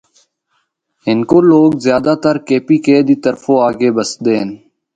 ہندکو لوگ زیادہ تر کے پی کے دی طرفو آکے بسے دے ہن۔